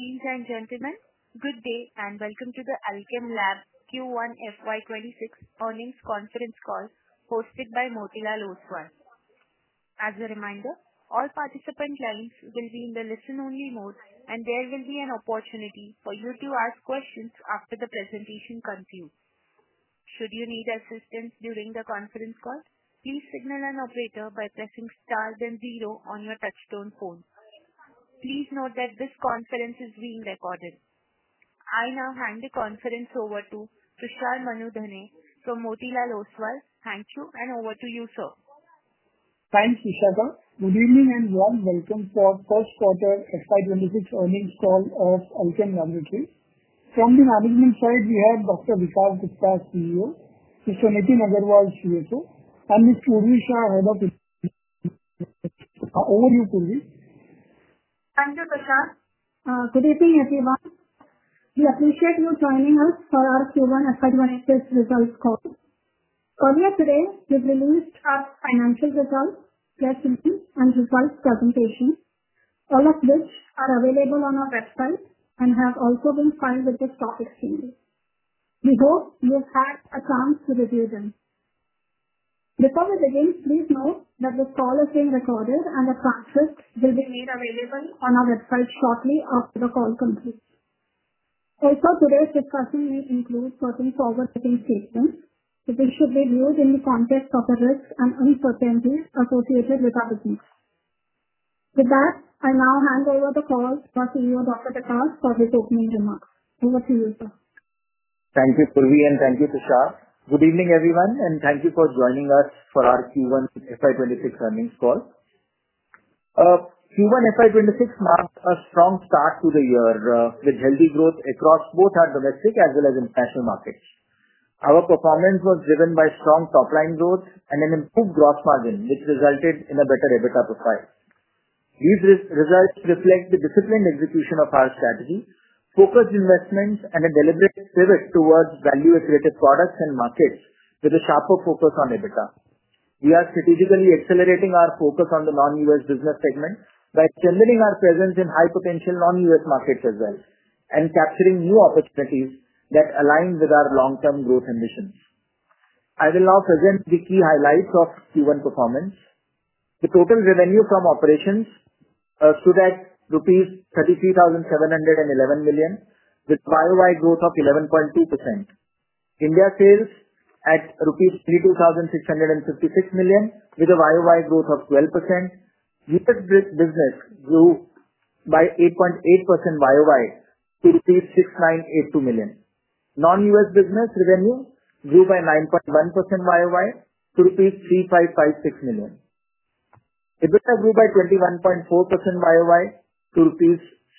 Ladies and gentlemen, good day and welcome to the Alkem Lab Q1 FY 2026 earnings conference call hosted by Motilal Oswal. As a reminder, all participant lines will be in the listen-only mode and there will be an opportunity for you to ask questions after the presentation concludes. Should you need assistance during the conference call, please signal an operator by pressing then zero on your touch-tone phone. Please note that this conference is being recorded. I now hand the conference over to Mr. Tushar Manudhane from Motilal Oswal. Thank you, and over to you, sir. Thanks, Ishaka. Good evening and warm welcome to our first quarter FY 2026 earnings call of Alkem Labs Limited. From the management side, we have Dr. Vikas Gupta, CEO, Mr. Nitin Agrawal, and Ms. Purvi Shah, Head of [Investor Relations]. Over to you, Purvi. Thank you, Kusha. Good evening, everyone. We appreciate you joining us for our Q1 FY 2026 results call. Earlier today, we've released our financial results and results presentation. All of these are available on our website and have also been filed with the stock exchange. We hope you have had a chance to review them before we begin. Please note that the call is being recorded and the process will be made available on our website shortly after the call completes. As per today's discussion, it may include certain forward-looking statements. It should be viewed in the context of the risks and uncertainties associated with our business. With that, I now hand over the call to our CEO, Dr. Vikas, for his opening remarks. Over to you. Thank you Purvi and thank you Tushar. Good evening everyone and thank you for joining us for our Q1 FY 2026 earnings call. Q1 FY 2026 marked a strong start to the year with healthy growth across both our domestic as well as international markets. Our performance was driven by strong top line growth and an improved gross margin, which resulted in a better EBITDA profile. These results reflect the disciplined execution of our strategy, focused investments, and a deliberate pivot towards value-related products and markets with a sharper focus on EBITDA. We are strategically accelerating our focus on the non-U.S. business segment by strengthening our presence in high potential non-U.S. markets as well and capturing new opportunities that align with our long-term growth ambitions. I will now present the key highlights of Q1 performance. The total revenue from operations stood at rupees 33,711 million with YoY growth of 11.2%. India sales at rupees 32,656 million with a YoY growth of 12%. Business grew by 8.8% YoY to rupees 6,982 million. Non-U.S. business revenue grew by 9.1% YoY to INR 3,556 million. EBITDA grew by 21.4% YoY to INR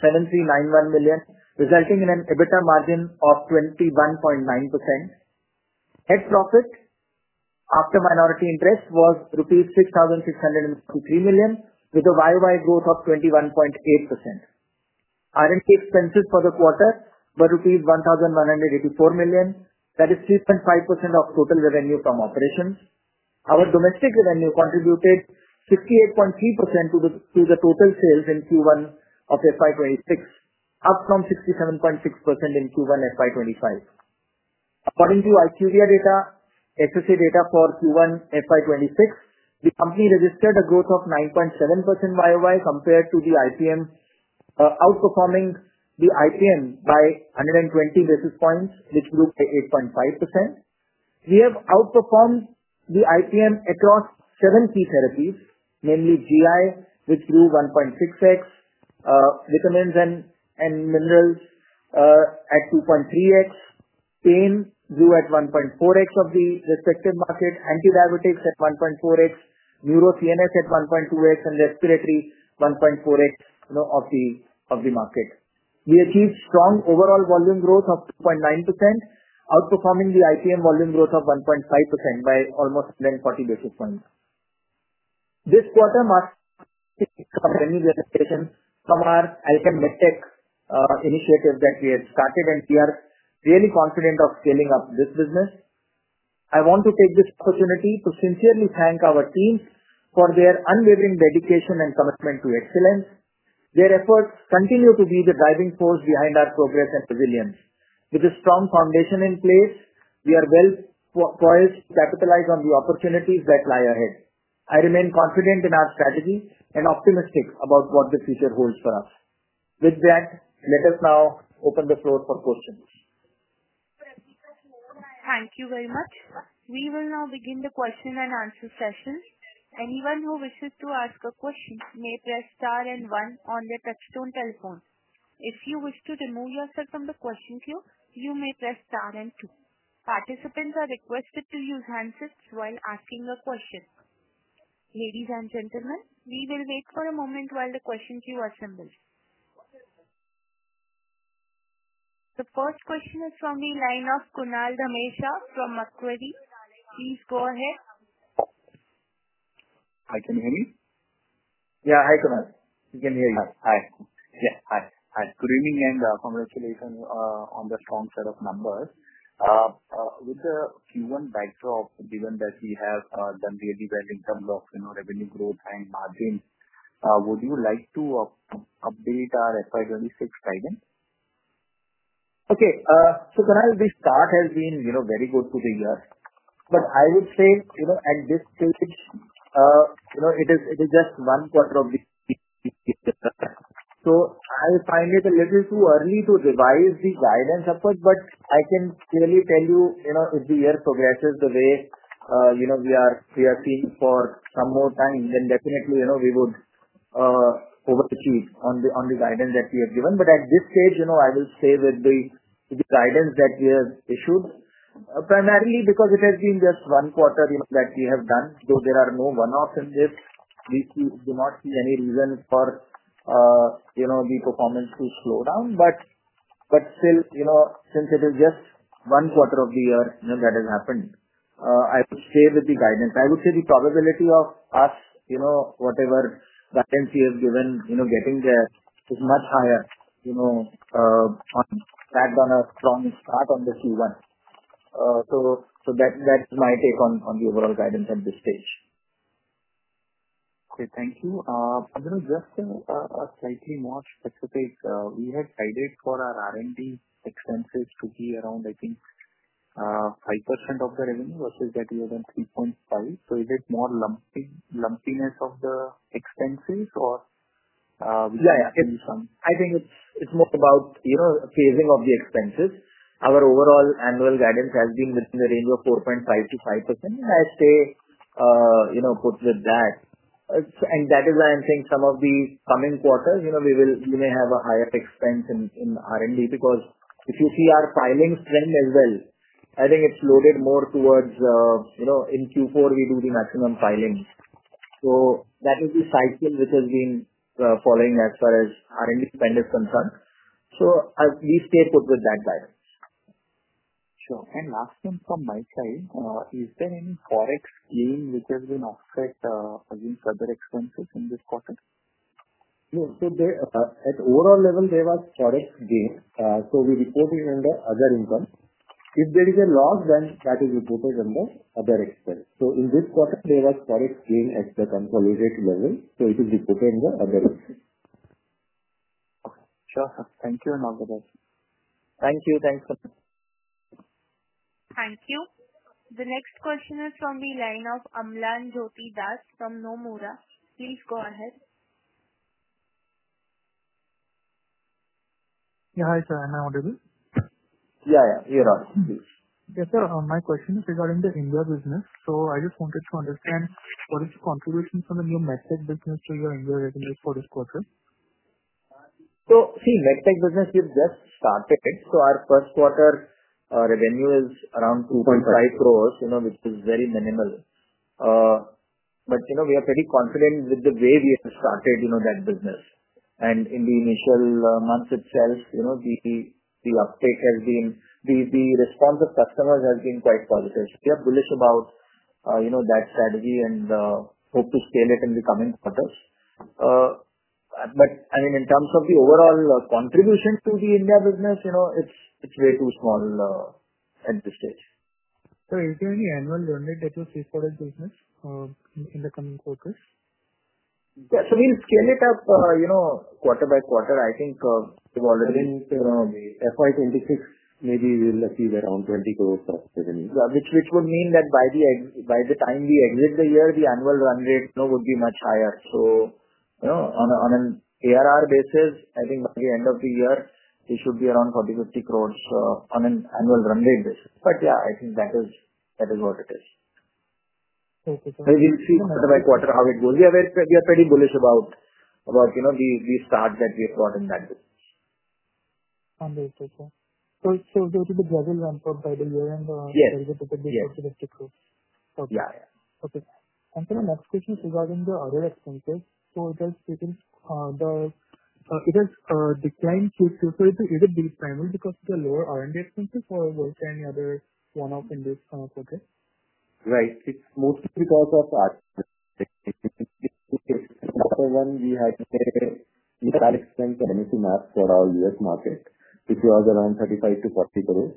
7,391 million, resulting in an EBITDA margin of 21.9%. Net profit after minority interest was rupees 6,603 million with a YoY growth of 21.8%. RMC expenses for the quarter were rupees 1,184 million. That is 3.5% of total revenue from operations. Our domestic revenue contributed 58.3% to the total sales in Q1 of FY 2026, down from 67.6% in Q1 FY 2025 according to IQVIA data. HSE data for Q1 FY 2026, the company registered a growth of 9.7% YoY compared to the IPM, outperforming the IPM by 120 basis points, which grew to 8.5%. We have outperformed the IPM across seven key therapies, namely GI which grew 1.6x, vitamins and minerals at 2.3x, pain due at 1.4x of the restricted market, antibiotics at 1.4x, [neuro CNS] at 1.2x, and respiratory 1.48x of the market. We achieved strong overall volume growth of 2.9%, outperforming the IPM volume growth of 1.5% by almost 40 basis points this quarter. initiative that we have started and we are really confident of scaling up this business. I want to take this opportunity to sincerely thank our team for their unwavering dedication and commitment to excellence. Their efforts continue to be the driving force behind our progress and resilience. With a strong foundation in place, we are well poised to capitalize on the opportunities that lie ahead. I remain confident in our strategy and optimistic about what the future holds for us. With that, let us now open the floor for questions. Thank you very much. We will now begin the question and answer session. Anyone who wishes to ask a question may press STAR and 1 on their telephone. If you wish to remove yourself from the question queue, you may press STAR and 2. Participants are requested to use handsets while asking a question. Ladies and gentlemen, we will wait for a moment while the question queue is assembled. The first question is from the line of Kunal Dhamesha from Macquarie. Please go ahead. I can hear you. Yeah, hi. Kunal, we can hear you. Hi. Yeah, hi. Good evening and congratulations on the strong set of numbers. With the [human dice rock] given that we have done the aggress in terms of revenue growth and margins, would you like to provide update our FY 2026 tight end? Okay, so [this start] has been, you know, very good to the year. I would say, you know, at this, you know it is, it is just one quarter of. I find it a little too early to revise the guidance approach. I can clearly tell you, you know, if the year progresses the way, you know we are, we are seeing for some more time then definitely, you know, we would overachieve on the, on the guidance that we have given. At this stage, you know, I will say with the guidance that we have issued primarily because it has been just one quarter that we have done though there are no one offs in this. These do not see any reasons for, you know, the performance to slow down. Still, you know, since it is just one quarter of the year, you know, that has happened, I say with the guidance, I would say the probability of us, you know, whatever guidance has given, you know, getting there is much higher. You know, sagged on a strong start on the C1. That, that's my take on, on the overall guidance at this stage. Okay, thank you. Just a slightly more specific. We had cited for our R&D expenses to be around I think 5% of the revenue versus that year than 3.5%. Is it more lumpy lumpiness of the expenses or? Yeah, I think it's. It's more about, you know, phasing of the expenses. Our overall annual guidance has been within the range of 4.5%-5% and I stay, you know, put with that and that is why I'm saying some of the coming quarters, you know, we will. We may have a higher expense in R&D because if you see our filings trend as well, I think it's loaded more towards, you know, in Q4 we do the maximum filings. That is the cycle which has been following as far as R&D spend is concerned. We stay put with that guidance. Sure. Last thing from my side, is there any FOREX gain which has been offset further expenses in this quarter? At overall level there was FOREX gain so we reported under other income. If there is a loss then that is reported in the [other expense]. In this quarter there was FOREX gain at the consolidated level. It is reported in the other. Sure. Thank you and all the best. Thank you. Thanks. Thank you. The next question is from the line of Amlan Jyoti Das from Nomura. Please go ahead. Yeah. Hi sir. Am I audible? Yeah, yeah, you're audible. Yes sir. My question is regarding the India business. I just wanted to understand what is the contribution from the new medtech businesses and your revenue for this quarter. The medtech business just started. Our first quarter revenue is around 2.5 crore, which is very minimal. We are pretty confident with the way we started that business. In the initial months itself, the response of customers has been quite positive. We are bullish about that strategy and hope to scale it in the coming quarters. In terms of the overall contributions to the India business, it's way too small at this stage. You can see annual learning that you see for the business in the coming quarters. Yes. Scale it up, quarter-by-quarter. I think FY 2026 maybe we'll achieve around 20 crore, which would mean that by the time we exit the year the annual run rate would be much higher. On an ARR basis, I think the end of the year they should be around 40-50 crore on an annual run rate basis. That is what it is. We are pretty bullish about these, these start that we brought in that business. It has declined because of the lower R&D expense or any other one-off in this project. Right. It's mostly because of that. For one, we had to take max for our U.S. market, which was around INR 35-40 crore.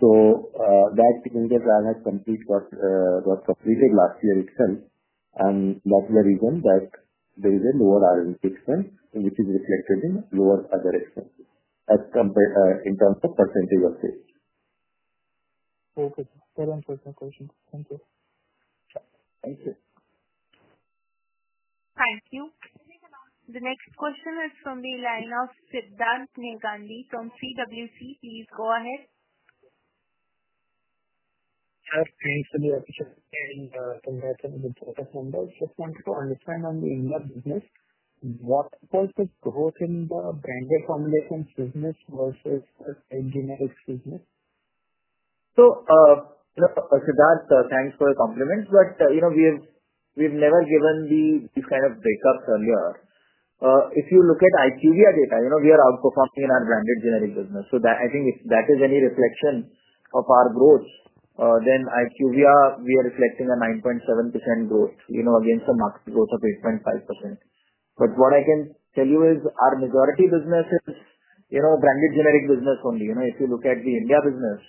That significant case had completed last year itself. It's not the reason that there is a lower R&D, which is reflected in lower other assembly as compared in terms of percentage of sales. Okay. [That was my last question. Thank you.] Thank you. The next question is from the line of Sidharth Negandhi from CWC. Please go ahead. Congrats on this quarter's numbers. Wanted to understand on the India business what does the growth in the branded formulation business versus generic business. Sidharth, thanks for your compliment. We've never given these kind of breakups earlier. If you look at IQVIA data, we are all co-founding in our branded generic business. If that is any reflection of our growth, then IQVIA is reflecting a 9.7% growth, again for market growth of [8.5%]. What I can tell you is our majority business is branded generic business only. If you look at the India business,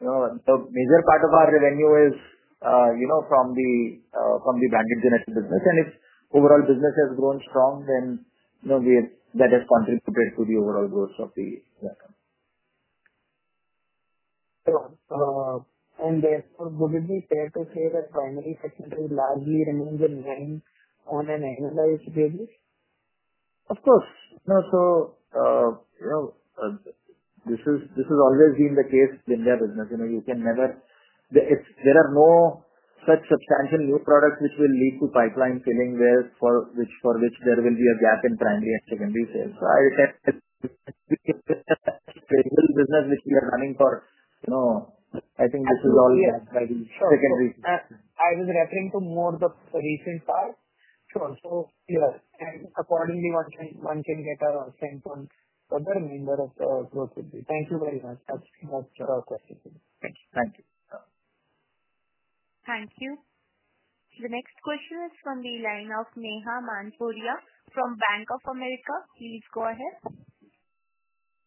the major part of our revenue is from the branded generic business. If overall business has grown strong, then that has contributed to the overall growth of the system. Would it be fair to say that primary section largely remains in line on an as-is basis? Of course, no. You know this is. This has always been the case in their business. You know, you can never. There are no such substantial new products which will lead to pipeline filling there for which there will be a gap in transaction resale. I said business which we are running for. I think this is all. Yeah, I've been referring to more the recent [style]. Sure. Accordingly, the remainder of the group will be. Thank you very much. Thank you. Thank you. The next question is from the line of Neha Manpuria from Bank of America. Please go ahead.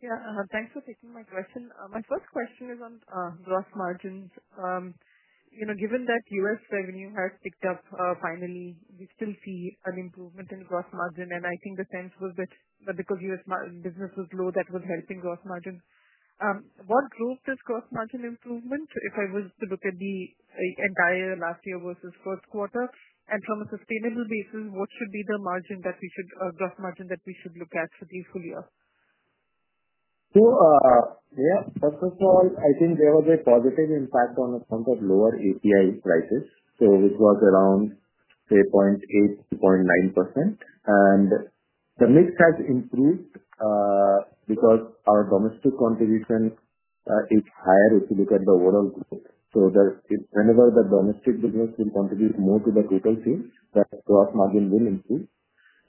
Yeah, thanks for taking my question. My first question is on gross margins. You know, given that U.S. revenue has picked up, finally we still see an improvement in gross margin. I think the sense was that because U.S. business was low, that was helping gross margins. What drove this gross margin improvement? If I was to look at the entire last year versus fourth quarter and from a sustainable basis, what should be the margin that we should, gross margin that we should look at for the full year? Yeah, first of all, I think there was a positive impact on account of lower API prices. It was around 3.8%, 3.9%, and the mix has improved because our domestic contribution is higher. If you look at the overall, whenever the domestic business will contribute more to the total sales, that gross margin will improve.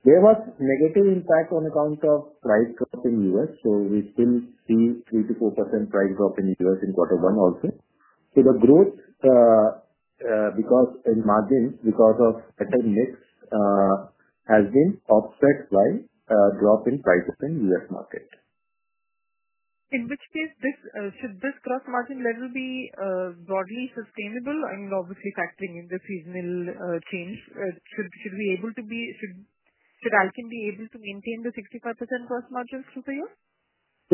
There was a negative impact on account of price drop in the U.S. We still see 3%-4% price drop in the U.S. in quarter one also. The growth end margin because of mix has been offset by the drop in price in U.S. markets. In which case, should this gross margin level be broadly sustainable, and obviously factoring in the seasonal change, should I be able to maintain the 65% gross margins through the year?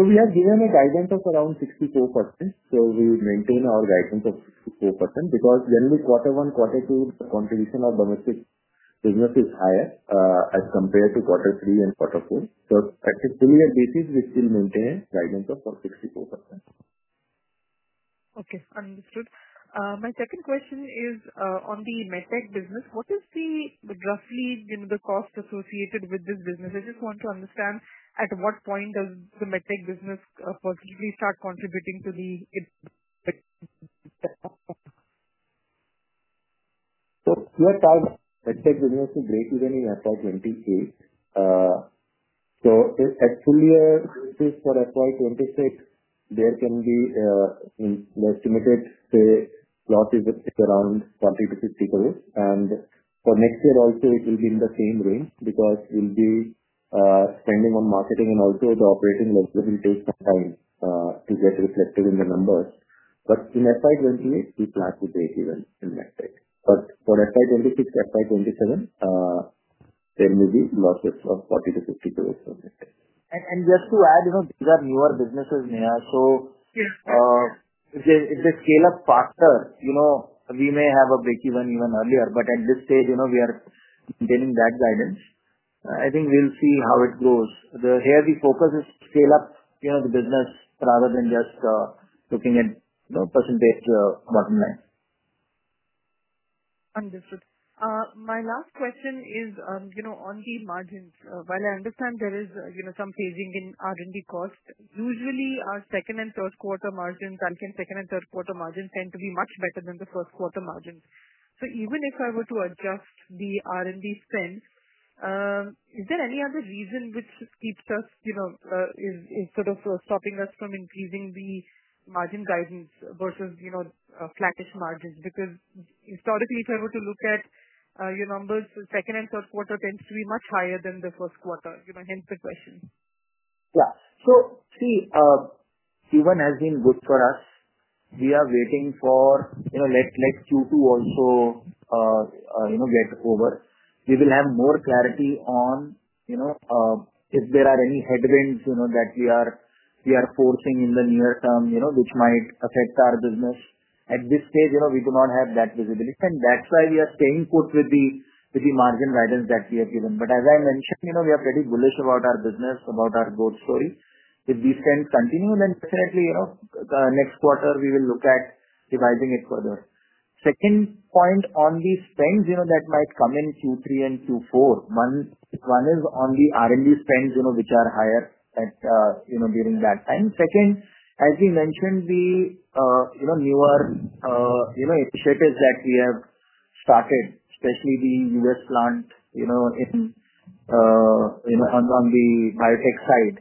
We have given a guidance of around 64%. We would maintain our guidance of [60%] because generally quarter one, quarter two, the contribution of the medtech business is higher as compared to quarter three and quarter four, or at a basis we still maintain guidance of 64%. Okay, understood. My second question is on the medtech business. What is the roughly you the cost associated with this business? I just want to understand at what point does the medtech business possibly start contributing to the. Let's say when you have to break even in FY 2028. For the full year of FY 2026, there can be an estimate, say, the plot is around 40-50 krore. For the next year also, it will be in the same range because we'll be spending on marketing and outdoor, the operating liquidity to get reflected in the numbers. In FY 2028, the plaque would be even an estate. For FY 2026, FY 2027, there may be losses of 40-60 krore. Just to add, you know, these are newer businesses, Neha, so if they scale up faster, you know, we may have a break-even even earlier. At this stage, you know, we are maintaining that guidance. I think we'll see how it grows. Here the focus is to scale up, you know, the business rather than just looking at percentage bottom lines. Understood. My last question is, you know, on the margins, while I understand there is, you know, some phasing in R&D cost, usually our second and third quarter margins, I think second and third quarter margins tend to be much better than the first quarter margins. Even if I were to adjust the R&D spends, is there any other reason which keeps us, you know, is sort of stopping us from increasing the margin guidance versus, you know, flattish margins? Historically, if I were to look at your numbers, the second and third quarter tends to be much higher than the first quarter, you know, hence the question. Yeah, so see, Q1 has been good for us. We are waiting for, you know, let's let Q2 also, you know, get over. We will have more clarity on, you know, if there are any headwinds, you know, that we are, we are foreseeing in the near term, you know, which might affect our business at this stage. You know, we do not have that visibility and that's why we are staying put with the, with the margin guidance that we have given. As I mentioned, you know, we are pretty bullish about our business, about our growth story. If these trends continue, then definitely, you know, next quarter we will look at revising it further. Second point on these trends, you know, that might come in Q3 and Q4, one is on the R&D spends, you know, which are higher at, you know, during that time. Second, as we mentioned, the, you know, newer, you know, initiatives that we have started, strictly the U.S. plant, you know, on the biotech side,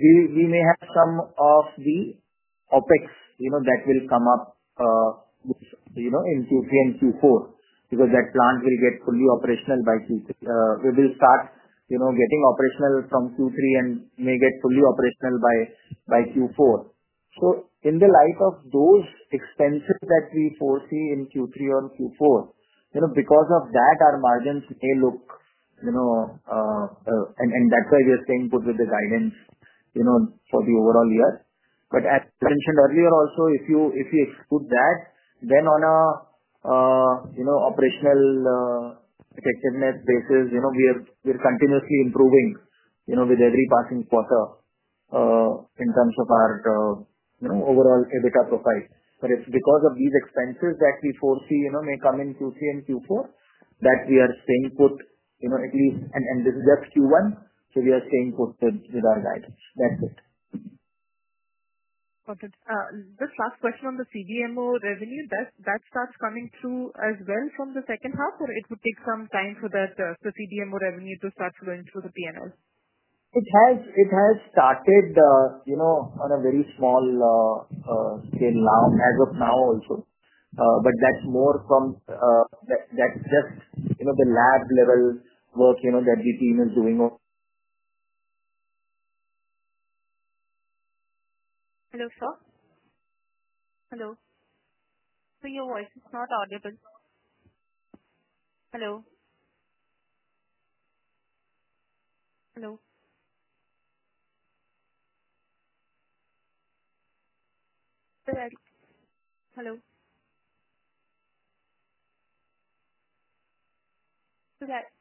we may have some of the OpEx, you know, that will come up, you know, in Q4 because that plant will get fully operational by Q3. We will start, you know, getting operational from Q3 and may get fully operational by, by Q4. In the light of those expenses that we foresee in Q3 or Q4, you know, because of that our margins may look, you know, and that's why we are staying put with the guidance, you know, for the overall year. As earlier also, if you, if you do that then on a, you know, operational protection net basis, you know, we are, we're continuously improving, you know, with every passing quarter in terms of our, you know, overall EBITDA profile. It's because of these expenses that we foresee, you know, may come in Q3 and Q4 that we are staying put, you know, at least. This is just Q1, so we are staying put in our guide. That's it. This last question on the CDMO revenue that starts coming through as well from the second half, or it would take some time for that, the CDMO revenue to start flowing through the P&L and all. It has started on a very small scale as of now also. That's just the lab level work that your team is doing. Hello, sir. Hello? Your voice is not audible. Hello, hello, hello.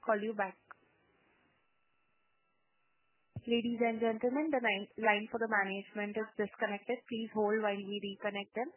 Call you back. Ladies and gentlemen, the line for the management is disconnected. Please hold while we reconnect them.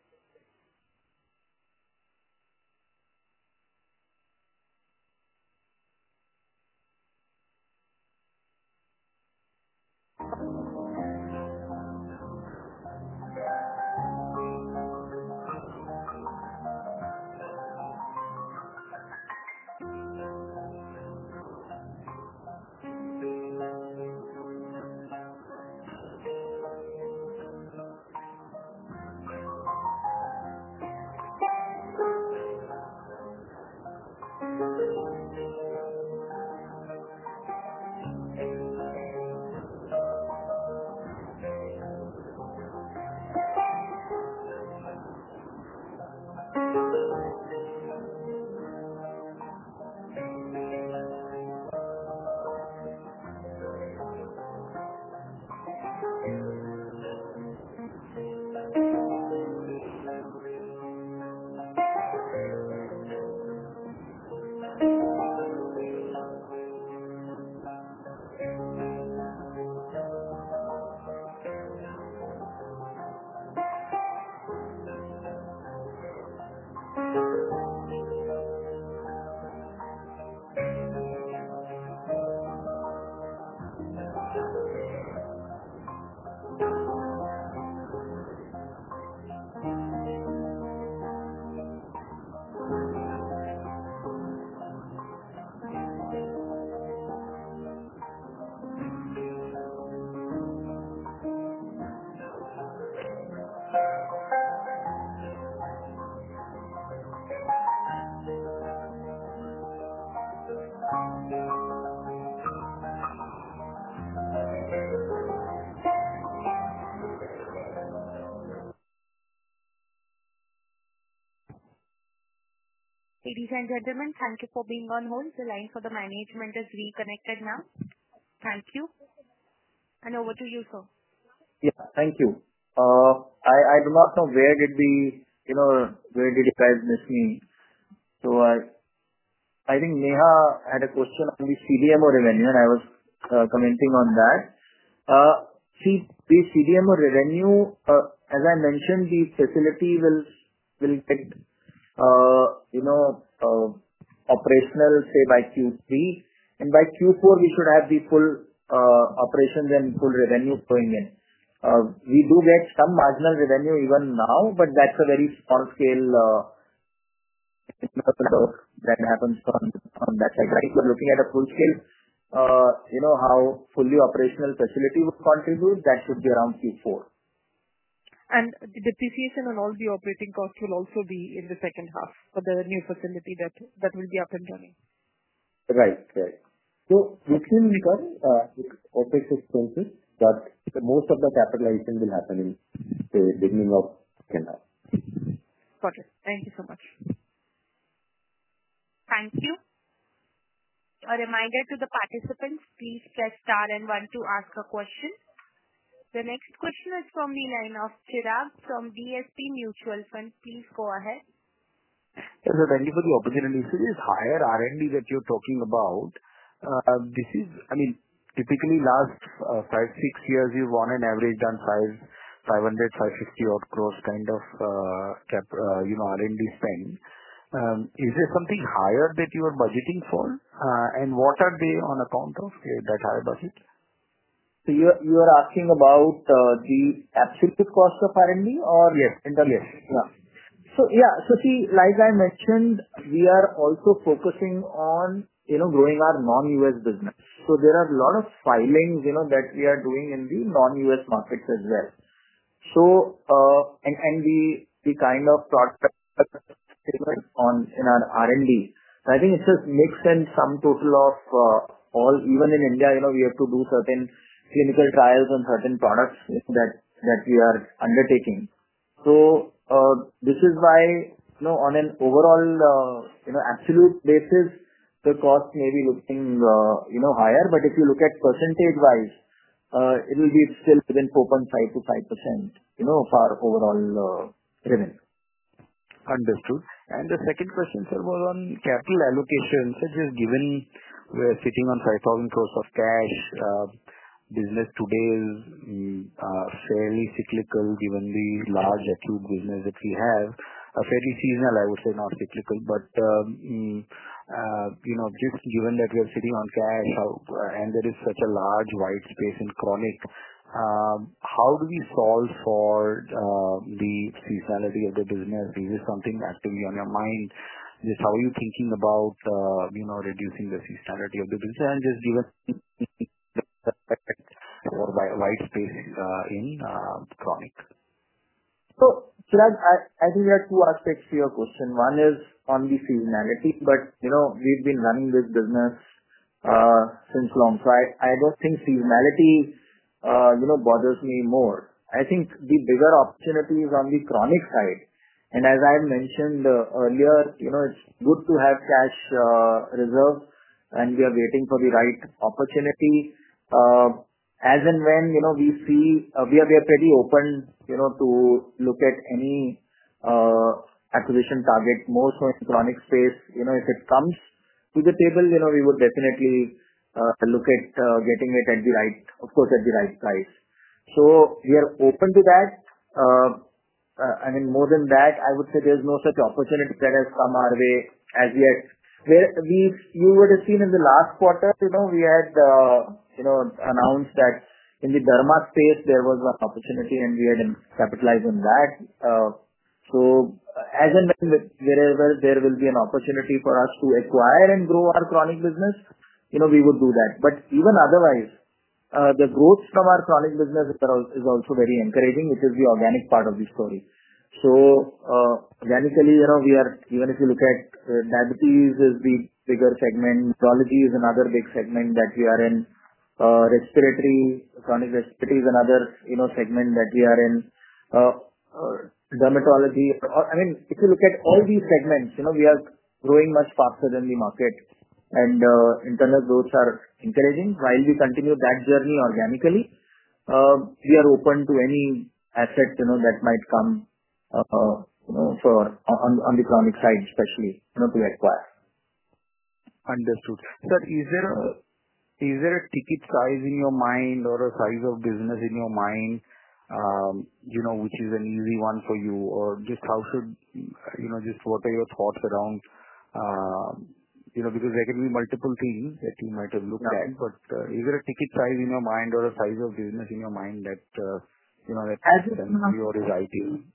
Ladies and gentlemen, thank you for being on hold. The line for the management is reconnected now. Thank you. Over to you, sir. Thank you. I do not know where you guys missed me. I think Neha had a question on the CDMO revenue and I was commenting on that. See, the CDMO revenue, as I mentioned, the facility will get operational by Q3 and by Q4 we should have the full operations and full revenue going in. We do get some marginal revenue even now, but that's a very small scale that happens in that sense. Right? Looking at actual sales, how a fully operational facility would contribute, that would be around Q4. Depreciation and all the operating costs will also be in the second half of the revenue facility that will be up and running. Right. OpEx is complete, but most of the capitalization will happen in the beginning of [the second half]. Thank you so much. Thank you. A reminder to the participants, please press star and one to ask a question. The next question is from the line of Chirag from DSP Mutual Fund. Please go ahead. Thank you for the opportunity. This higher R&D that you're talking about, this is, I mean, typically last five, six years you've on average done 500, 550 odd crore kind of, you know, R&D spend. Is there something higher that you're budgeting for and what are they on account of that higher budget? You are asking about these abstracted costs of R&D or? Yes. Yeah. Like I mentioned, we are also focusing on growing our non U.S. business. There are a lot of filings that we are doing in the non U.S. markets as well. The kind of prospect in our R&D, I think it's just mixed and sum total of all, even in India, we have to do certain clinical trials on certain products that we are undertaking. This is why, on an overall absolute basis, the cost may be looking higher, but if you look at percentage wise, it will be still within 4.5%-5% for overall driven. Understood. The second question, sir, was on capital allocation. Given we're sitting on 5,000 crores of cash, business today is fairly cyclical. Given the large business which we have, fairly seasonal, I would say not cyclical. Just given that you're sitting on fire and there is such a large white space in chronic, how do we solve for the business? This is something actively on your mind. How are you thinking about reducing the seasonality of the business and just give us wide space in chronic segment. Chirag, I think we had two aspects to your question. One is on the seasonality. We've been running this business since long, so I don't think seasonality bothers me more. I think the bigger opportunities are on the chronic side, and as I mentioned earlier, it's good to have cash reserve and we are waiting for the right opportunity as and when we see. We are pretty open to look at any acquisition target, more from electronic space. If it comes to the table, we would definitely look at getting it at the right, of course, at the right price. We are open to that. More than that, I would say there's no such opportunity that has come our way as yet. Where we, you would have seen in the last quarter, we had announced that in the derma space there was one opportunity and we had capitalized on that. Wherever there will be an opportunity for us to acquire and grow our chronic business, we would do that. Even otherwise, the growth from our chronic business is also very encouraging, which is the organic part of the story. Organically, we are, even if you look at diabetes, it is the bigger segment. Neurology is another big segment that we are in. Chronic respiratory is another segment that we are in. Dermatology, or if you look at all these segments, we have been growing much faster than the market and internal growths are increasing. While we continue that journey organically, we are open to any assets that might come on the economic side, especially to acquire. Understood. Is there a ticket size in your mind or a size of business in your mind which is an easy one for you? How should you know, just what are your thoughts around, you know, because there can be multiple things that you might have looked at. Is there a ticket size in your mind or a size of business in your mind that you know, that has [iq]?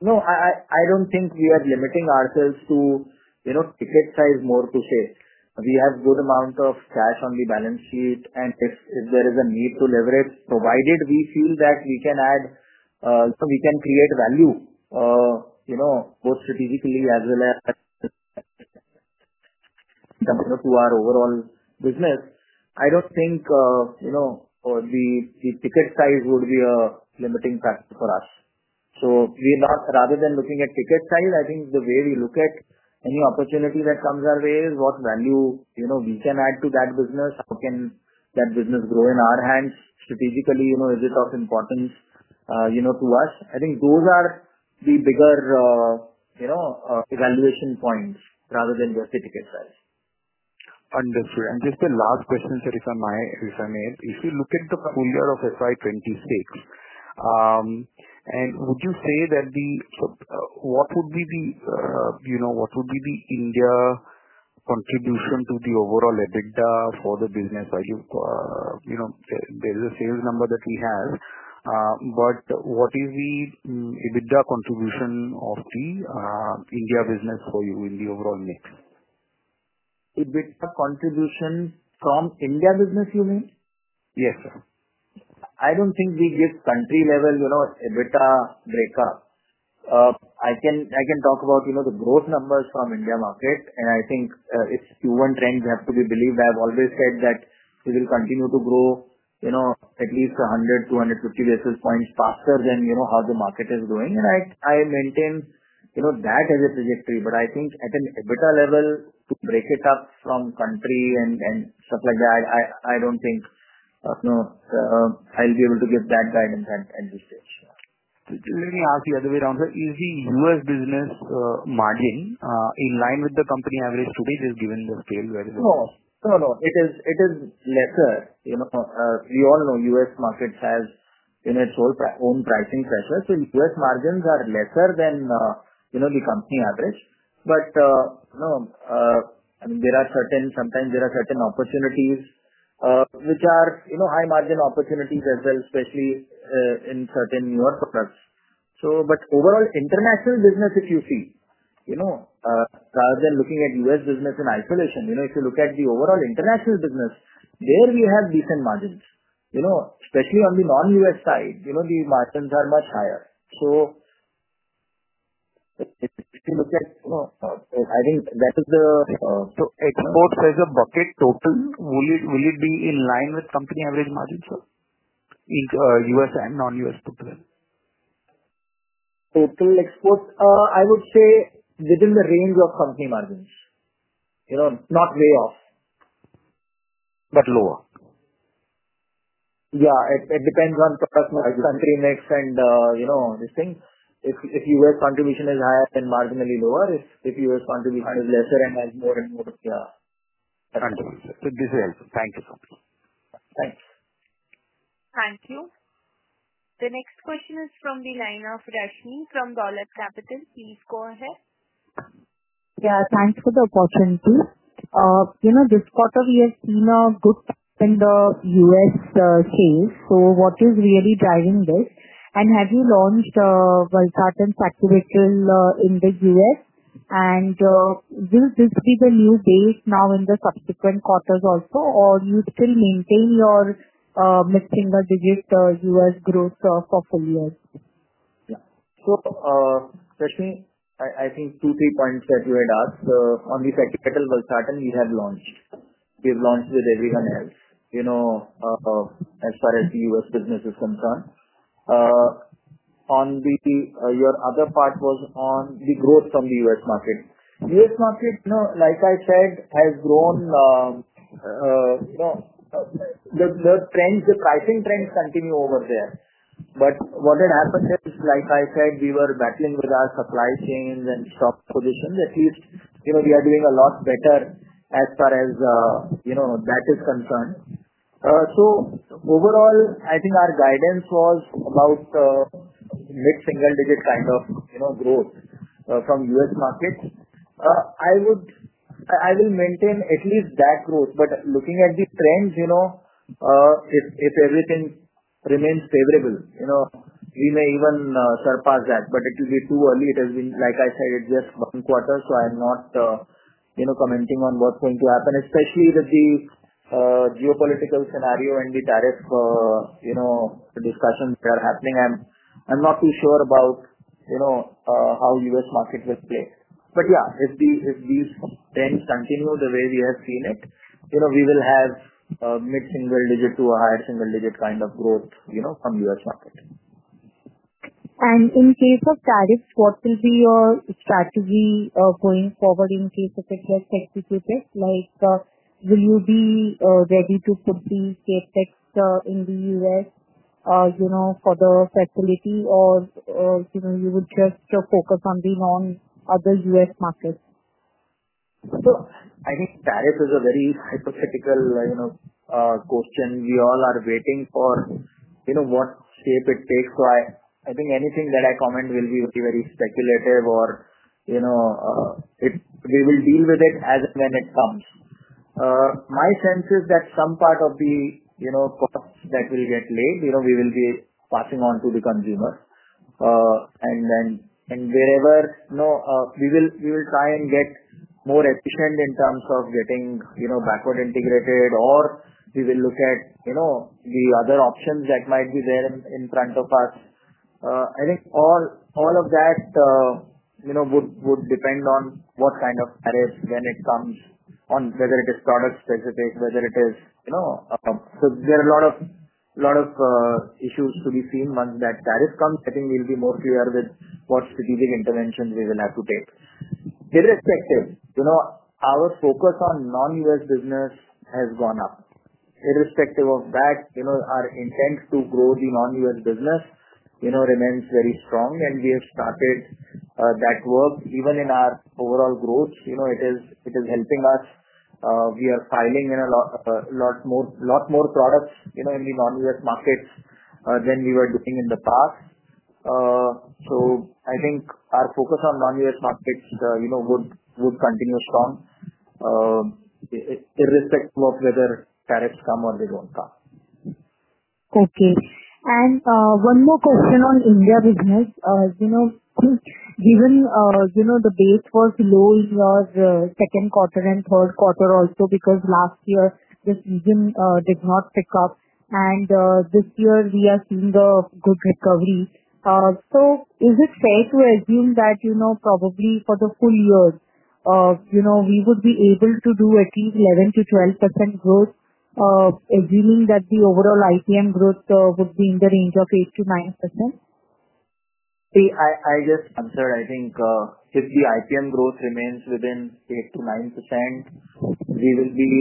No, I don't think we are limiting ourselves to, you know, ticket size. More to say we have good amount of cash on the balance sheet and if there is a need to leverage, provided we feel that we can add so we can create value, you know, both strategically as well as to our overall business. I don't think, you know, the ticket size would be a limiting factor for us. We lost rather than looking at ticket size. I think the way we look at any opportunity that comes our way is what value, you know, we can add to that business, that business grow in our hands strategically, you know, is it of importance, you know, to us? I think those are the bigger, you know, evaluation points rather than the ticket size. Understood. Just the last question that if I may, if you look at the full year of FY 2026 and would you say that the, what would be the, you know, what would be the India contribution to the overall EBITDA for the business? Are you, you know, there's sales number that we have, but what is the EBITDA contribution of the India business for you in the overall network? EBITDA contribution from India business you mean? Yes sir. I don't think we give country level, you know, EBITDA breakup. I can talk about the growth numbers from India market and I think if human trends have to be believed, I've always said that we will continue to grow at least 100, 250 basis points faster than how the market is doing and I maintain that as a trajectory. I think at an EBITDA level to break it up from country and stuff like that, I don't think I'll be able to give that guidance and be safe. Let me ask you other way around. Is the U.S. business margin in line with the company average today just given the scale? No, no, it is, it is lesser. You know we all know U.S. markets has in its whole own pricing pressure. So U.S. margins are lesser than, you know, the company average. There are certain, sometimes there are certain opportunities which are, you know, high margin opportunities as well especially in certain [U.S. segments]. Overall international business, if you see, you know, rather than looking at U.S. business, if you look at the overall international business there we have decent margins, you know, especially on the non-U.S. side, you know, the margins are much higher. If you look at, I think that is the, so exports as a bucket total. Will it, will it be in line with company average margin into U.S. and non-U.S.? [In terms of] exports? I would say within the range of company margins, you know, not way off but lower. Yeah, it depends on country mix and, you know, this thing. If U.S. contribution is higher then marginally lower. If U.S. contribution is lesser and has more and more. Thank you. Thank you. The next question is from the line of Rashmi from Dolat Capital. Please go ahead. Yeah, thanks for the opportunity. You know, this quarter has been good in the U.S. case. What is really driving this, and have you launched in the U.S.? Will this be the new date now in the subsequent quarters also, or you still maintain your missing digits U.S. growth [for full year]? I think key three points that you had asked on the second world Saturn. We have launched, we've launched with everyone else. As far as the U.S. business is concerned. Your other part was on the growth from the U.S. market. U.S. market, like I said, has grown, you know the trends, the pricing trends continue over there. What did happen is, like I said, we were battling with our supply chains and stock positions. At least, you know, we are doing a lot better as far as that is concerned. Overall, I think our guidance was about mid single digit kind of, you know, growth from U.S. markets. I will maintain at least that growth. Looking at the trends, you know, if everything remains favorable, we may even surpass that. It is too early. It has been, like I said, it's just one quarter. I'm not commenting on what's going to happen, especially with the geopolitical scenario and the tariff discussions that are happening. I'm not too sure about how U.S. market will play. If these trends continue the way we have seen it, we will have mid single digit to a higher single digit kind of growth from U.S. market. In case of tariffs, what will be your strategy going forward in case of like will you be ready to complete safe text in the U.S., you know, for the facility, or you know you would just focus on the non other U.S. market? I think tariff is a very hypothetical question we all are waiting for, you know, what shape it takes. Anything that I comment will be very speculative, we will deal with it as and when it comes. My sense is that some part of that will get laid, we will be passing on to the consumer and wherever we will try and get more efficient in terms of getting backward integrated or we will look at the other options that might be there in front of us. I think all of that would depend on what kind of tariff when it comes, on whether it is product specification, whether it is. There are a lot of issues to be seen. Once that tariff comes, I think we'll be more clear with what strategic interventions we will have to take. Irrespective, our focus on non-U.S. business has gone up, irrespective of that, our intent to grow the non-U.S. business remains very strong. We have started that work even in our overall growth, it is helping us. We are piling in a lot more products in the non-U.S. markets than we were doing in the past. I think our focus on non-U.S. markets would continue strong. It risks both whether tariffs come or they don't come. Okay, and one more question on India business, given the base was low in your second quarter and third quarter also because last year the season did not pick up, and this year we are seeing the good recovery is it fair to assume that, you know, probably for the full year, you know we would be able to achieve 11%-12% growth, assuming that the overall IPM growth will be in the range of 8%-9%. I think if the IPM growth remains within 8%-9% we will be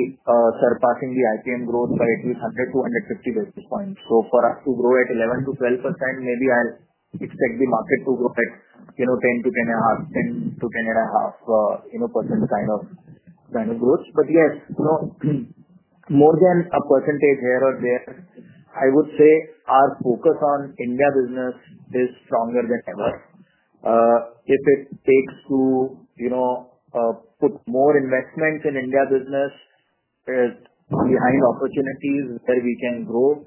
surpassing the IPM growth by at least 100, 250 basis points. For us to grow at 11%-12%, maybe I'll expect the market to grow at, you know, 10%-10.5%. More than a percentage here or there, I would say our focus on India business is stronger than ever. If it takes to put more investments in India business behind opportunities that we can grow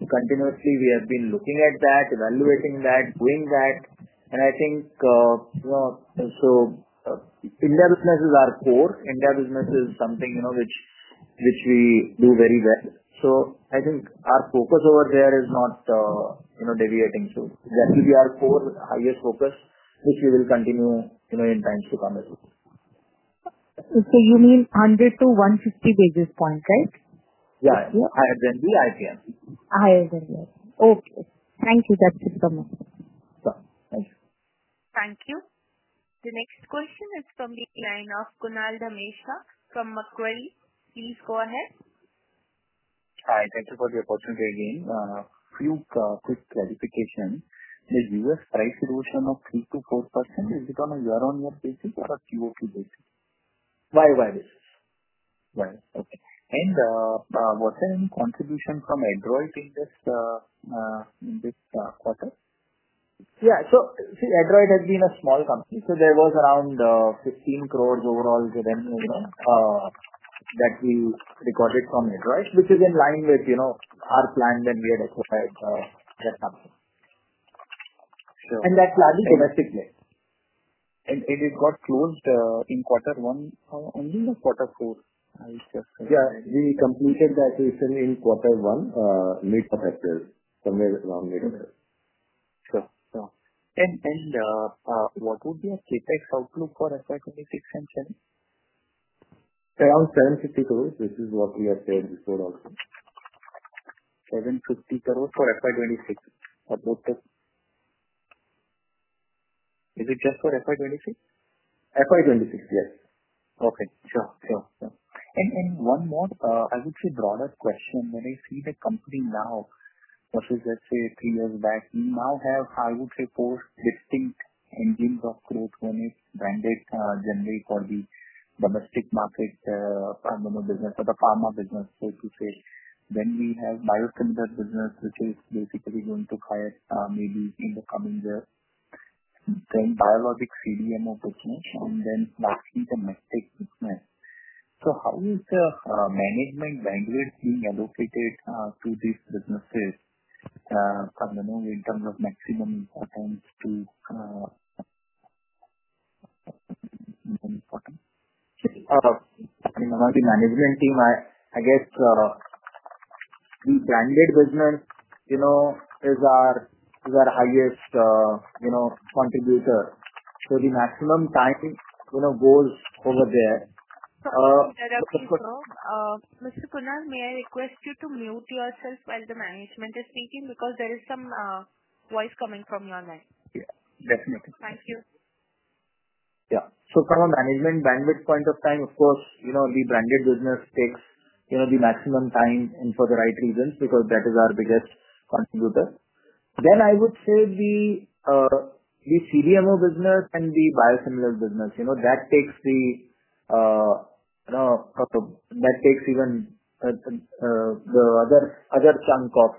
continuously, we have been looking at that, evaluating that, doing that. India business is our core. India business is something which we do very well. I think our focus over there is not deviating. That will be our highest focus, which we will continue in times to come. You mean 100-150 basis points, right? Yeah. Thank you, that's all from me. Thank you. The next question is from the line of Kunal Dhamesha from Macquarie. Please go ahead. Hi. Thank you for the opportunity again. Few quick clarifications. The U.S. price reduction of 3%-4%, is it on a year-on-year basis or quarter basis? Why is this? Was there any contribution from [Hydroid] in this quarter? Yeah. [Hydroid] has been a small company, so there was around 15 crore overall that we recorded from [Hydroid], which is in line with our plan when we had occupied that, and that's domestic, and it got closed in quarter one only of quarter two. He completed the operation in quarter one late for somewhere around here. What would be a CapEx outlook for FY 2026 and 2027? Around 750 crore. This is what we have said before also. 750 crore for FY 2026. Is it just for FY 2026? FY 2026, yes. Perfect. One more, I would say, drawn as question, when I see the company now versus, let's say, three years back, we now have, I would say, four distinct engines of growth on the branded generally called the domestic market business or the pharma business. Then we have biosimilar business, which is basically going to [spike] maybe in the [coming year], then biologic CDMO business. How is the management language being adopted to these businesses in terms of? I guess the branded business, you know, is our highest, you know, contributor. The maximum type, you know, goes over there. Mr. Kunal, may I request you to mute yourself while the management is speaking, because there is some voice coming from your line. Definitely. Thank you. Yeah. From a management bandwidth point of time, of course you know the branded business takes the maximum time and for the right reasons because that is our biggest contributor. I would say the CDMO business and the biosimilar business, you know, that takes even the other chunk of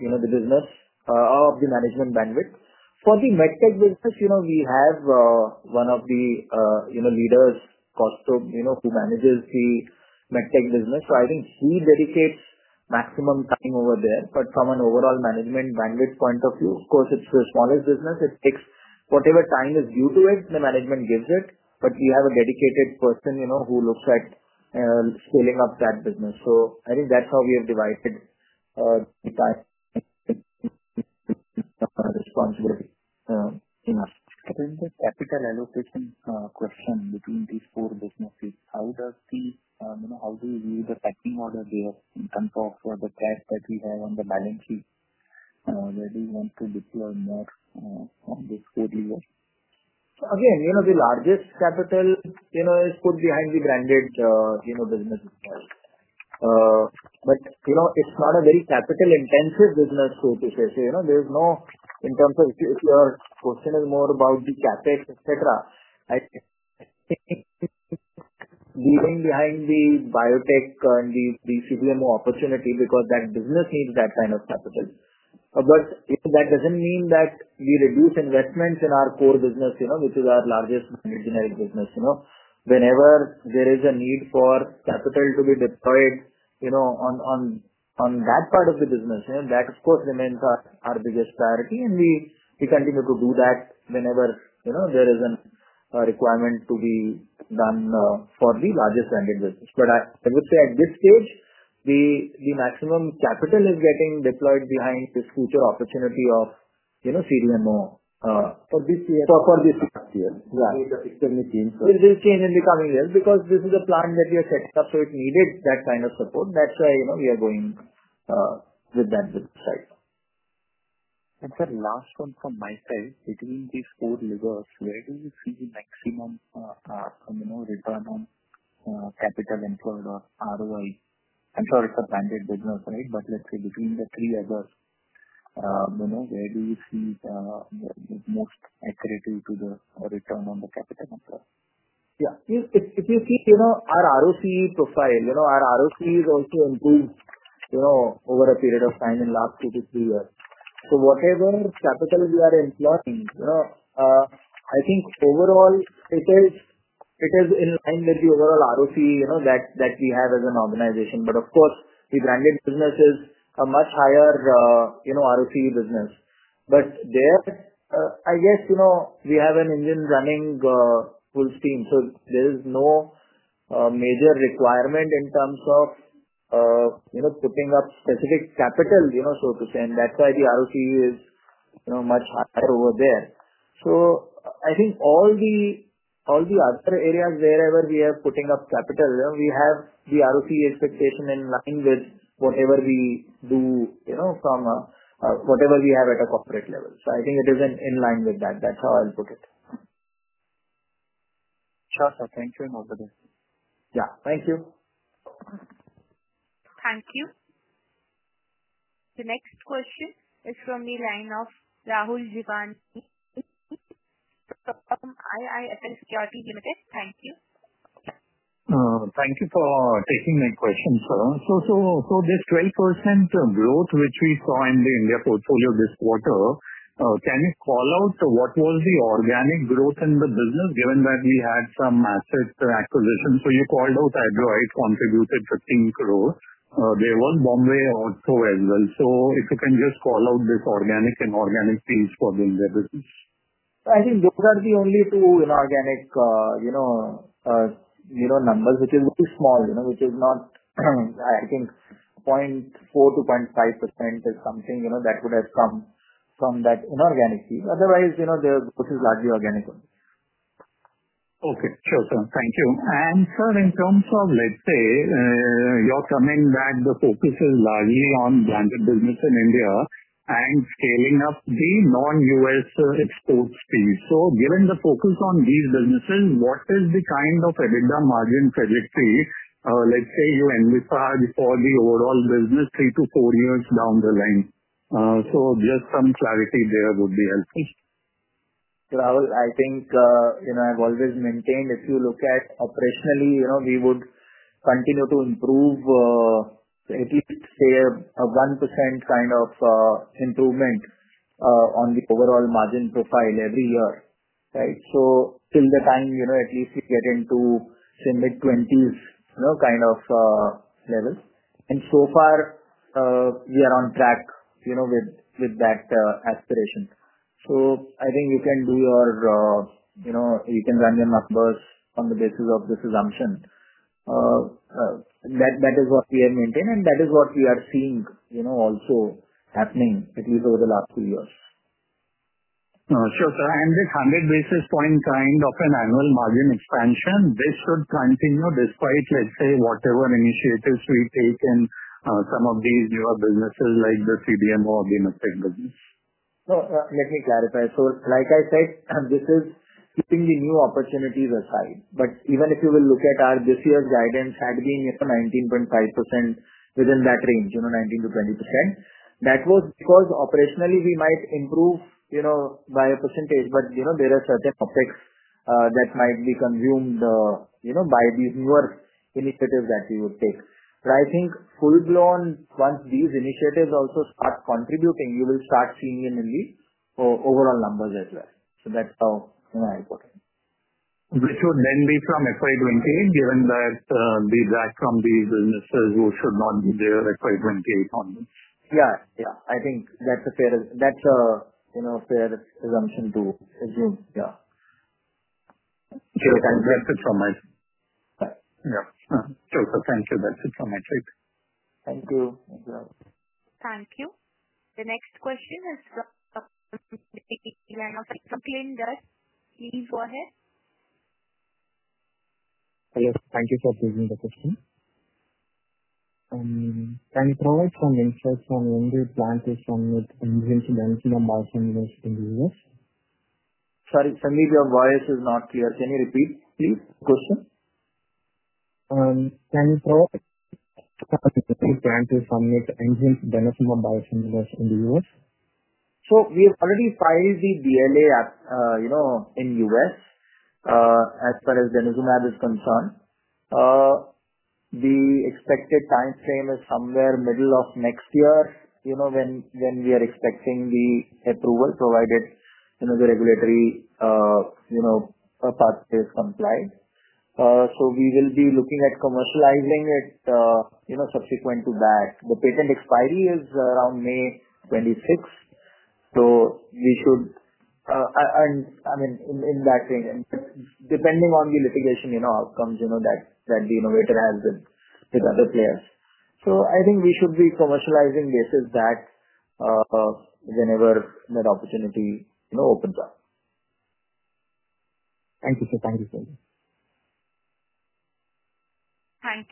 the business of the management bandwidth. For the medtech business, we have one of the leaders who manages the medtech business. I think he dedicates maximum time over there. From an overall management bandwidth point of view. Because it's the smallest business, it takes whatever time is due to it, the management gives it. You have a dedicated person who looks at scaling up that business. I think that's how we have devised things. responsibility enough. On the capital allocation question between these four businesses, how do you view the [fact that order there CapEx that we have on the balance sheet]? Where do you want to deploy more? Again, the largest capital is put behind the grande business, but it's not a very capital intensive business. There's no, in terms of if your question is more about the CapEx, etc., leaving behind the biotech and the CDMO opportunity because that business needs that kind of capital. That doesn't mean that we reduce investments in our core business, which is our largest generic business, whenever there is a need for capital to be deployed on that part of the business. That remains our biggest priority, and we continue to do that whenever there is a requirement to be done for the largest landed business. At this stage, the maximum capital is getting deployed behind this future opportunity of CDMO in the coming years. This is a plan that we are setting up, so it needed that kind of support. That's why we are going with that size. For the last one from my side, between these four levels, where do you see the maximum capital import or ROI? I'm sorry, it's a branded business. Right. Let's say between the three others, where do you see? If you see our ROCE profile, our ROCE has also improved over a period of time in the last two to three years. Whatever capital is, [for ROCE] I think overall it is in line with the overall ROCE that we have as an organization. Of course, the branded business is a much higher ROCE business, but there I guess we have an engine running full steam. There is no major requirement in terms of putting up specific capital, so to say. That's why the ROCE is much higher over there. I think all the other areas, wherever we are putting up capital, we have the ROCE expectation in line with whatever we do from whatever we have at a corporate level. I think it is in line with that. That's how I'll put it. Sure sir. Thank you and all the best. Yeah, thank you. Thank you. The next question is from the line of [Rahul Jivan from II Securities Limited]. Thank you. Thank you for taking that question, sir. This 12% growth which we saw in the India portfolio this quarter, can you call out what was the organic growth in the business given that we had some assets to acquisition? You called out [Hydroid] contributed 50 crore. There was Bombay also as well. If you can just call out this organic, inorganic theme for being their business. I think those are the only two inorganic numbers which are small, which is not. I think 0.4%-0.5% is something that would have come from that inorganic, otherwise, which is largely organic. Okay. Sure, sir. Thank you. In terms of, let's say, your comment that the focus is large on branded business in India and scaling up the non-U.S. exports piece. Given the focus on these businesses, what is the kind of EBITDA margin trajectory you envisage for the overall business three to four years down the line? Just some clarity there would be helpful. I think I've always maintained if you look at a pretty, you know, we would continue to improve at least say a 1% kind of improvement on the overall margin profile every year. Right. Till the time, at least we get into, say, mid-20s kind of levels. So far we are on track with that aspiration. I think you can run your numbers on the basis of this assumption that that is what we have maintained and that is what we are seeing also happening at least over the last two years. Sure, sir. This 100 basis point kind of an annual margin expansion, this should continue despite whatever initiatives we take in some of these newer businesses like the CDMO. Let me clarify. Like I said, this is keeping the new opportunities aside. Even if you look at our this year's guidance had been 19.5% within that range, 19%-20%, that was because operationally we might improve by a percentage. There are certain OpEx that might be consumed by the various initiatives that you would take. I think full blown, once these initiatives also start contributing, you will start seeing it in the overall numbers as well. That's how I put it. This should then be from FY 2028 given that the drag from the businesses should not be there. FY 2028 only. Yeah. I think that's a fair assumption to make, yeah. Thank you. That's it. Thank you. Thank you. The next question is Please go ahead. Yes, thank you for taking the question. Can you provide some insights on. Sorry, Sandeep, your voice is not clear. Can you repeat, please, your question? We have already filed the DLA. In the U.S., as far as denosumab is concerned, the expected time frame is somewhere middle of next year, when we are expecting the approval provided the regulatory part is compliant. We will be looking at commercializing it subsequent to that. The patent expiry is around May 2026, so we should, I mean, in that region depending on the litigation outcomes that the innovator has with other players. I think we should be commercializing basis back whenever that opportunity opens up. Thank you, sir. Thank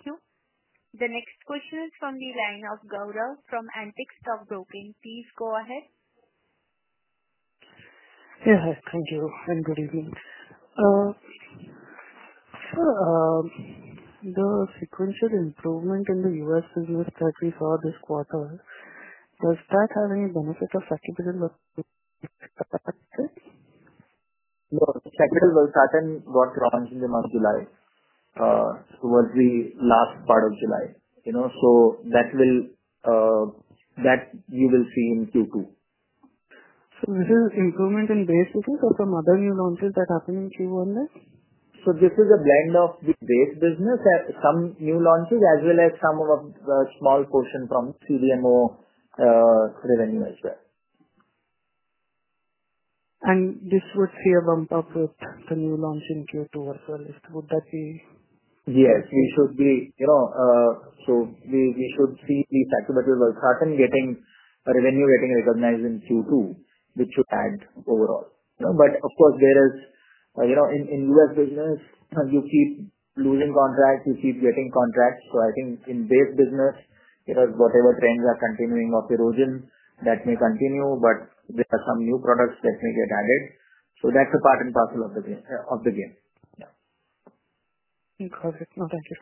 you. The next question is from the line of [Gaurav] from Antique Stock Broking. Please go ahead. Yes, thank you. Good evening. The sequential improvement in the U.S. business trajectory saw this quarter, does that have any benefit of month of July towards the last part of July, you know, that you will see in Q2? Is this improvement in base issues or some other new launches that happen in Q1? This is a blend of the base business, some new launches, as well as a small portion from CDMO revenue as well. This would see a bump up with the new launch in Q4 over for list would that be? Yes, we should be, you know, we should see the tax getting a revenue getting recognized in Q2, which you add overall. Of course, in U.S. business you keep losing contract, you keep getting contracts. I think in this business, whatever trends are continuing of erosion that may continue. There are some new products that may get added. That's a part and parcel of the game. Perfect. No, thank you.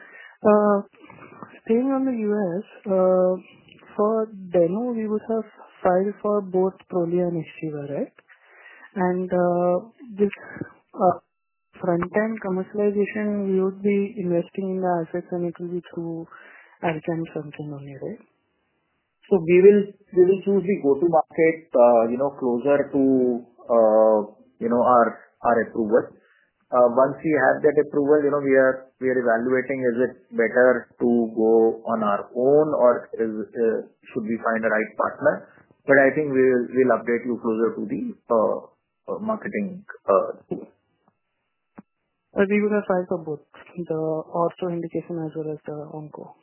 Staying on the U.S. for deno, we would have filed for both [Trolly and Ishiva] right? We would be investing in the assets and this front end commercialization. We will choose the go to market, you know, closer to our approvals. Once we have that approval, we are evaluating is it better to go on our own or should we find the right partner. I think we'll update you closer to the marketing. We would apply for both the also indication as well as the on call.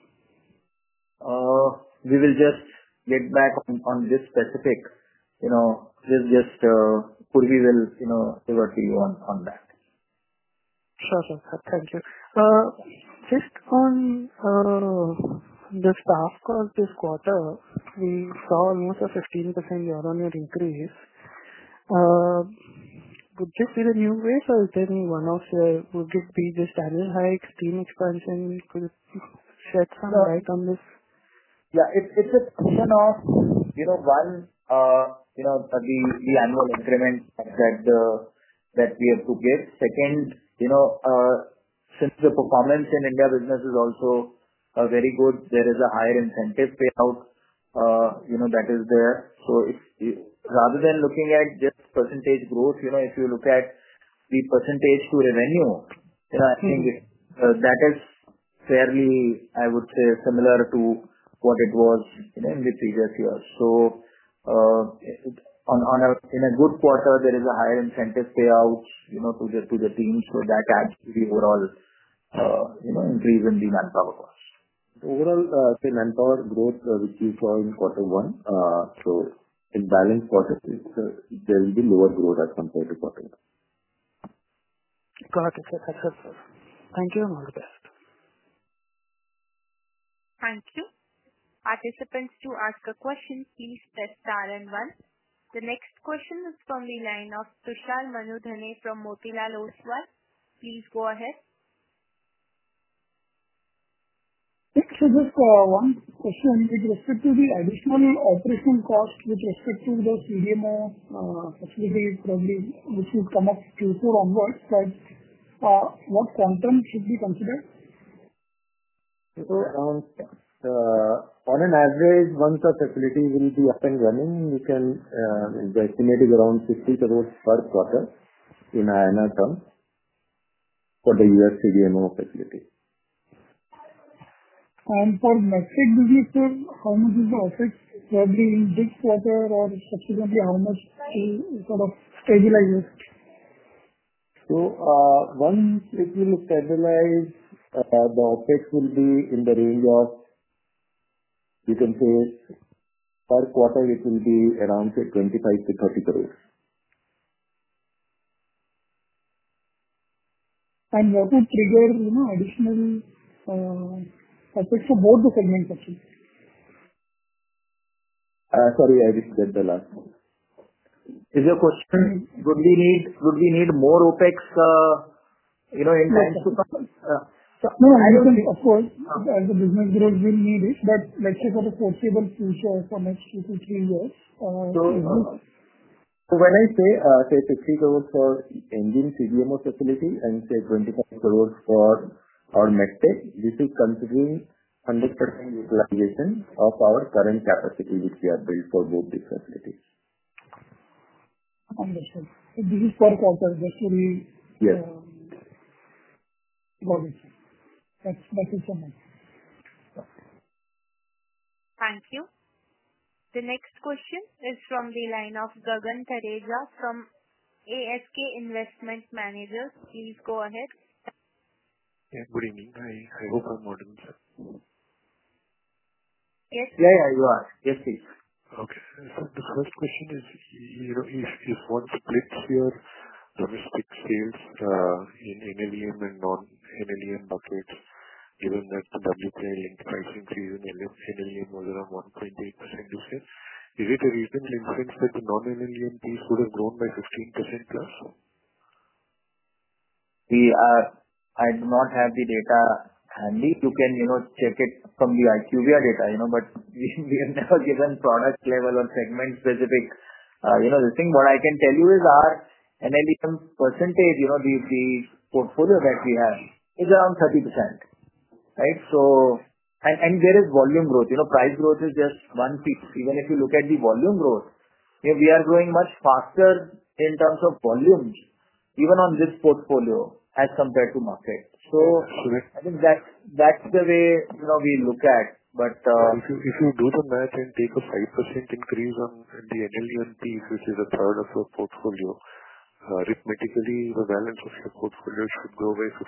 We will just get back on this specific. You know, just divert to you on that. Okay sir. Thank you. Just on the staff, because this quarter we saw almost a 15% year-on-year increase. Would this be the new rather than one-off? I would give [a deno hike] team expansion set right on this. Yeah, it's a question of, you know, one, you know, the annual increment that we have booked here. Second, you know, since the performance in India business is also very good, there is a higher incentive payout, you know, that is there. If, rather than looking at just percentage growth, you know, if you look at the percentage to revenue, you know, I think that is fairly, I would say, similar to what it was in the previous years. In a good quarter, there is a higher incentive payout, you know, to the team. That adds to the overall, you know, increase in manpower. Overall, the manpower growth which you saw in quarter one. In balance, there will be more growth as compared to quarter. Thank you and all the best. Thank you participants. To ask a question please press star and one. The next question is from the line of Mr. Tushar Manudhane from Motilal Oswal. Please go ahead. To the additional operation cost with respect to the CDMO, probably from future onwards, what content should be considered? On an average, once the facility will be up and running, the estimate is around INR 50 crore per quarter in terms of the U.S. CDMO opportunity. How much is the effect probably in this quarter or approximately how much is sort of stabilize? Once it will standardize, the OpEx will be in the range of, you can say, per quarter it will be around 25-30 crore. What is trigger? You know, additional segmentation. Sorry, I just missed the last. Is your question would we need more OpEx? You know. As a business grow, we need it that, let's say, for the foreseeable future, for next two to three years. When I say 50 crore for engine CDMO facility and say 25 crore for our next day, this is considering and stressing utilization of our current capacity which we have built to move this facility. This is for corporate? Yes. That's it for me. Thank you. The next question is from the line of Gagan Thareja from ASK Investment Manager. Please go ahead. Yeah, good evening. Hi. I hope I'm audible. Yes. Yes, go ahead. Yes, please. Okay, the first question is, you know, if one split your risk in NLEM and non-NLEM, given that WPI price increase in NLEM was around 1.8%, is it a reasonable inference that the non-NLEM piece could have grown by 15%+? We are. I do not have the data handy. You can check it from the IQVIA data, but we have never given product level or segment specific. What I can tell you is R&D percentage. The portfolio that we have is around 30% right. There is volume growth. Price growth is just one piece. Even if you look at the volume growth, we are growing much faster in terms of volume even on this portfolio as compared to market. I think that's the way we look at it. If you do the math and take a 5% increase and the NP which is 1/3 of your portfolio, arithmetically the balance of your portfolios could go away from?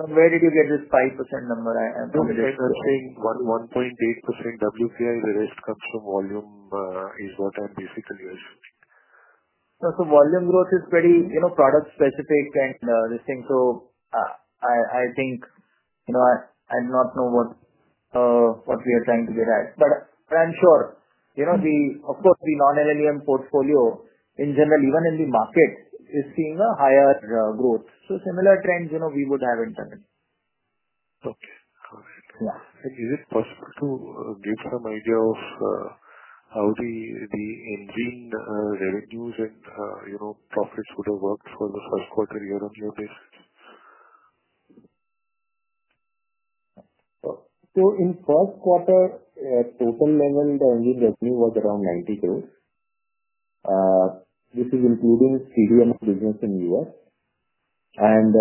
Where did you get this 5% number? 1.8% WCI volume is basically this. Volume growth is pretty, you know, product specific and this thing. I think you know what we are trying to get at. I'm sure you know, of course, the [non-LLM] portfolio in general, even in the market, is seeing a higher growth. Similar trends, you know, we would have internally. Okay, is it possible to give some idea of how the [engine] revenues at, you know, profits would have worked for the first quarter in Europe? In the first quarter, total [investment] was around 90 crores. This is including CDMO business in Europe, and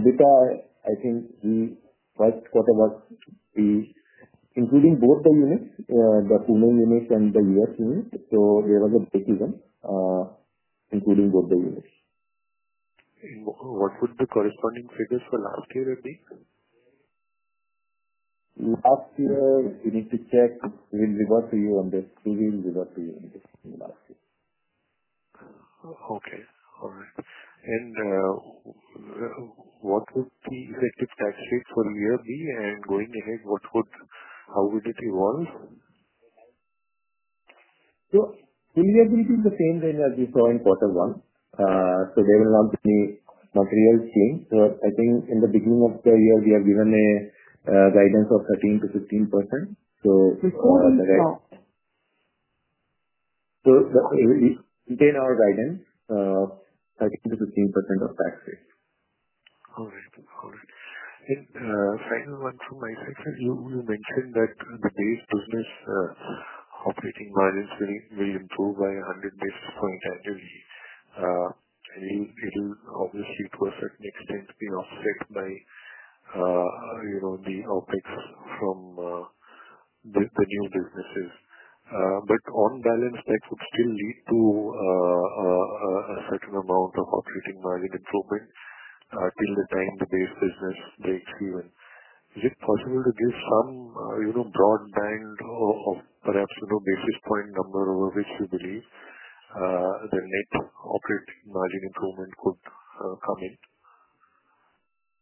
EBITDA, I think, the five quarters back, we including both, [businesses including] the cooling image and the. What were the corresponding figures for last year? You need to check. [We'll get back on you on that]. Okay. All right. What was the effective statistics for year B and going ahead, how would it evolve? We agree the same range as we saw in quarter one today. Will launch material change. I think in the beginning of the year we have given a guidance of 13%-15%. within our guidance, the 13%-15% of tax rate. Alright. Final one from my section. You mentioned that business operating balance will improve by 100 basis points charges. It will obviously to a certain extent be offset by the OpEx from the new businesses. On balance, that would still lead to a certain amount of operating. It's open till the time the base business breaks even. Is it possible to give some broadband of perhaps, you know, basis point number over which we believe the net operating margin improvement could come in?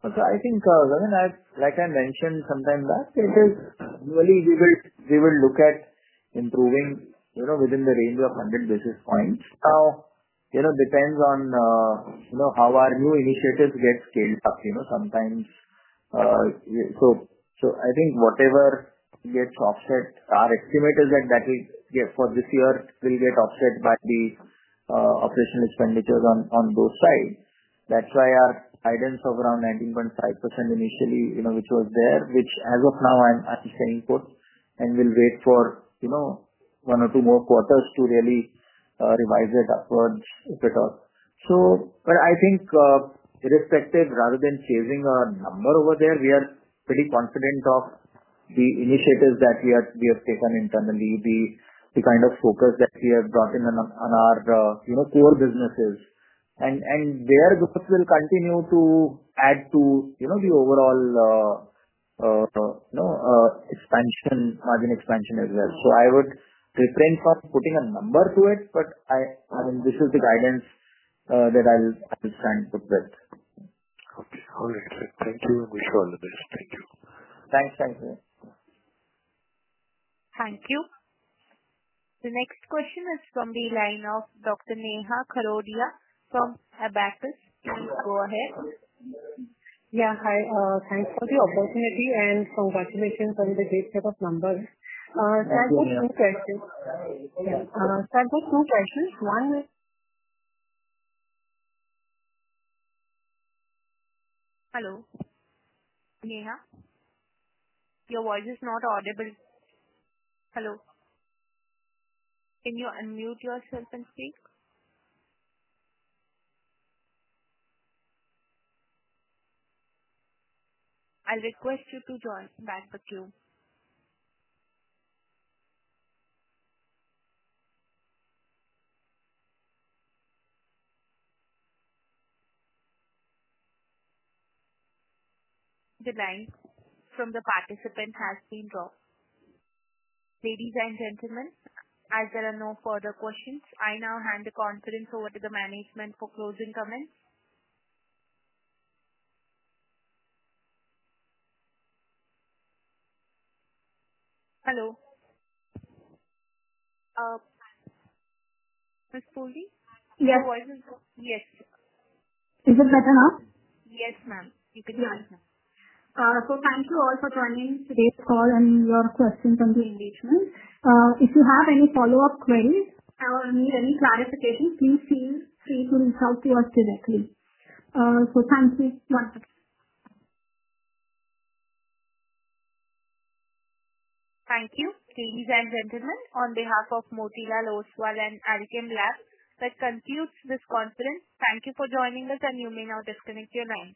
I think like I mentioned sometime last, it is really, we will look at improving, you know, within the range of 100 basis points. Now, you know, depends on, you know, how our new initiatives get scaled up, you know, sometimes. I think whatever gets offset, our estimate is like that will get for this year will get offset by these operational expenditures on both sides. That's why our guidance of around 19.5% initially, you know, which was there, which as of now I'm actually saying for, and will wait for, you know, one or two more quarters to really revise it upwards, if at all. I think irrespective, rather than chasing a number over there, we are pretty confident of the initiatives that we are, we have taken internally. The kind of focus that we have brought in on our, you know, core businesses and their growth will continue to add to, you know, the overall margin expansion as well. I would refrain from putting a number to it, but this is the guidance that I'll [define the best]. All right, thank you. Wish you all the best. Thank you. Thanks. Thank you. Thank you. The next question is from the line of [Dr. Neha Kalodia] from [Hab Assets]. Go ahead. Yeah, hi. Thanks for the opportunity and congratulations on these set of numbers. I have two questions. One is Hello, Neha, your voice is not audible. Hello. Can you unmute yourself and speak? I request you to join back the queue. The line from the participant has been drawn. Ladies and gentlemen, as there are no further questions, I now hand the conference over to the management for closing comments. Hello. Ms. Purvi? Your voice. Yes. Is it better now? Yes, ma'am. You can hear us now. Thank you all for joining today's call and your questions from the engagement. If you have any follow-up queries or need any clarification, please feel free to reach out to us directly. Thank you, ladies and gentlemen, on behalf of Motilal Oswal and Alkem Labs. That concludes this conference. Thank you for joining us and you may now disconnect your lines.